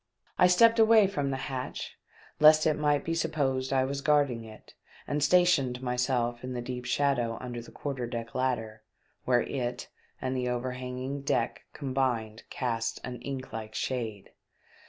I stepped away from the hatch, lest it might be supposed I was guarding it, and stationed myself in the deep shadow under the quarter deck ladder, where it and the overhanging deck combined cast an ink like shade.